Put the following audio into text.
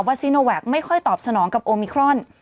ซีโนแวคไม่ค่อยตอบสนองกับโอมิครอน